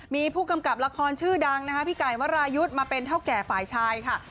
มีผู้กำกับละครชื่อดังนะคะพี่ไก่วรายุทธ์มาเป็นเท่าแก่ฝ่ายชายค่ะ